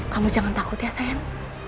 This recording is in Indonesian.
kamu jangan takut ya sayang